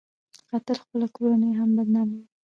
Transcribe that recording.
قاتل خپله کورنۍ هم بدناموي